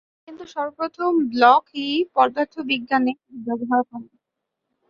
কিন্তু সর্বপ্রথম ব্লখ-ই পদার্থবিজ্ঞানে এর ব্যবহার করেন।